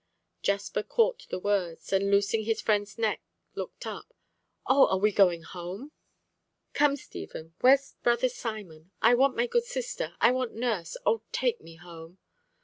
Jasper caught the words, and loosing his friend's neck, looked up. "Oh! are we going home? Come, Stephen. Where's brother Simon? I want my good sister! I want nurse! Oh! take me home!"